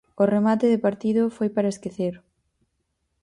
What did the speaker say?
O remate de partido foi para esquecer.